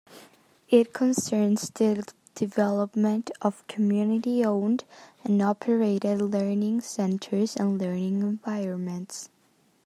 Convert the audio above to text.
It concerns the development of community-owned and operated learning centers and learning environments.